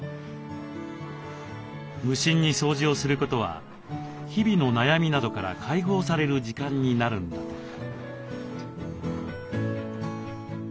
無心に掃除をすることは日々の悩みなどから解放される時間になるんだとか。